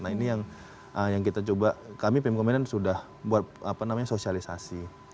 nah ini yang kita coba kami pemkomenan sudah buat apa namanya sosialisasi